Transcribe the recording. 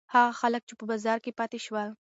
هغه خلک چې په بازار کې پاتې شول.